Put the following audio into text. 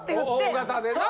大型でな。